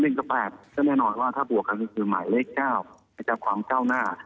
๑กับ๘ก็แน่นอนว่าถ้าบวกกันก็คือหมายเลข๙ในการความเจ้าหน้า